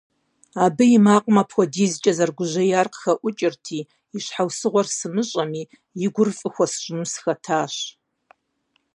Абы и макъым апхуэдизкӀэ зэрыгужьеяр къыхэӀукӀырти, и щхьэусыгъуэр сымыщӀэми, и гур фӀы хуэсщӀыну сыхэтащ.